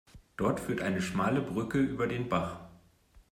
Dort führt eine schmale Brücke über den Bach.